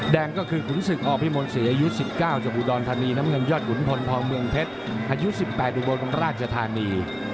แดงก็คือขุนศึกอพิมนศรีอายุ๑๙จากอุดรธานีน้ำเงินยอดขุนพลพอเมืองเพชรอายุ๑๘อุบลราชธานี